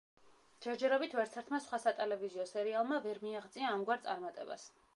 ჯერჯერობით ვერცერთმა სხვა სატელევიზიო სერიალმა ვერ მიაღწია ამგვარ წარმატებას.